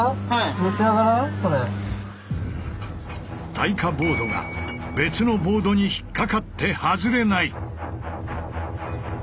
耐火ボードが別のボードに引っ掛かって外れない。